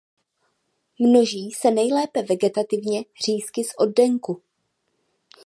Množí se nejlépe vegetativně řízky z oddenku.